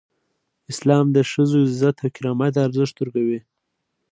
اسلام د ښځو عزت او کرامت ته ارزښت ورکوي.